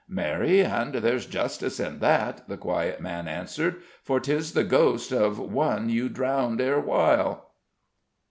"Marry and there's justice in that," the quiet man answered; "for 'tis the ghost of one you drowned erewhile."